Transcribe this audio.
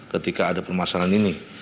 ketika ada permasalahan ini